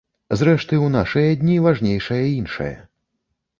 Зрэшты, у нашыя дні важнейшае іншае.